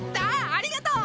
ありがとう！